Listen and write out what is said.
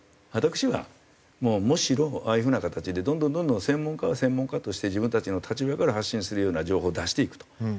私はむしろああいう風な形でどんどんどんどん専門家は専門家として自分たちの立場から発信するような情報を出していくと。